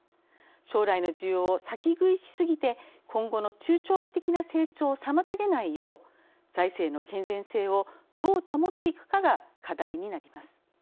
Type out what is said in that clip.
将来の需要を先食いしすぎて今後の中長期的な成長を妨げないよう財政の健全性をどう保っていくかが課題になります。